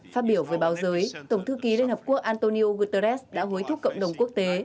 phát biểu với báo giới tổng thư ký liên hợp quốc antonio guterres đã hối thúc cộng đồng quốc tế